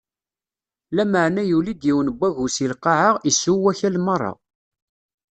Lameɛna yuli-d yiwen n wagu si lqaɛa, issew akal meṛṛa.